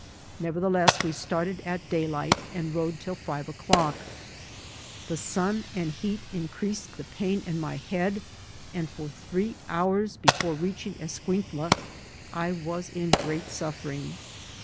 Nevertheless, we started at day light, and rode till five o'clock. The sun and heat in creased the pain in my head, and for three hours bef(nre reaching Escuintla I was in great suffering.